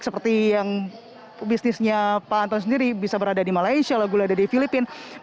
seperti yang bisnisnya pak anton sendiri bisa berada di malaysia lagunya ada di filipina